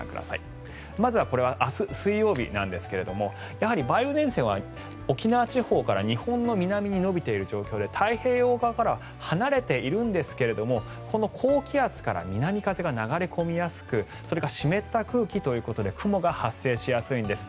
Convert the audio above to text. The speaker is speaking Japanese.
まずはこれは明日、水曜日なんですがやはり梅雨前線は沖縄地方から日本の南に延びている状況で太平洋側からは離れているんですけれどもこの高気圧から南風が流れ込みやすくそれが湿った空気ということで雲が発生しやすいんです。